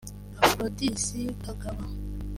Aflodis Kagaba